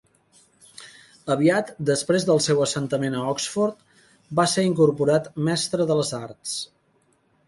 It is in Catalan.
Aviat, després del seu assentament a Oxford va ser incorporat mestre de les arts.